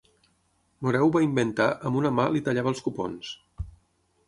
Moreu va inventar «amb una mà, li tallava els cupons».